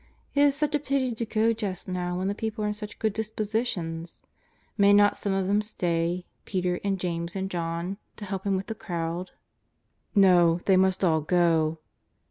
It is such a pity to go just now when the people are in such good dispositions. IMay not some of them stay — Peter and James and John — to help Him with the crowd ? JESUS OF NAZAEETH. 241 No, they must all go.